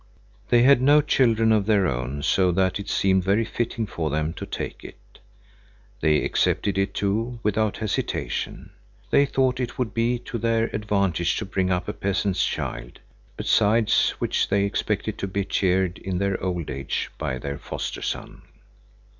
They had no children of their own, so that it seemed very fitting for them to take it. They accepted it too without hesitation. They thought it would be to their advantage to bring up a peasant's child, besides which they expected to be cheered in their old age by their foster son.